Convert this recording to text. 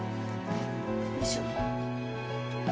よいしょ。